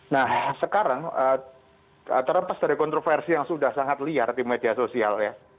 nah sekarang terlepas dari kontroversi yang sudah sangat liar di media sosial ya